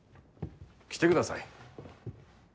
来てください。